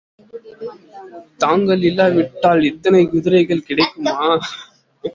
தாங்கள் இல்லாவிட்டால் இத்தனை குதிரைகள் கிடைக்குமா?